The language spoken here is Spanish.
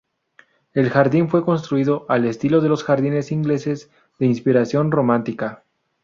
El jardín fue construido al estilo de los jardines ingleses, de inspiración romántica.